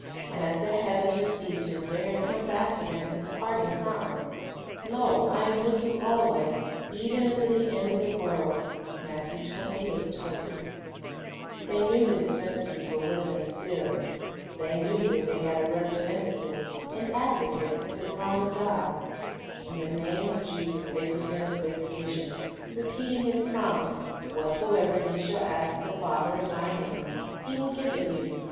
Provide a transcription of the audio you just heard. And as the heavens received Him, there had come back to them His parting promise, "Lo, I am with you alway, even unto the end of the world."'' 1 John 16:7; 15:15; 14:26. 2 John 16: 15, 13, 14. ! Matt. 2S : 20, An Illustration of His Methods 95 They knew that His sympathies were with them still. They knew that they had a representative, an advocate, at the throne of God. In the name of Jesus they pre sented their petitions, repeating His promise, "What soever ye shall ask the Father in My name, He will give it you."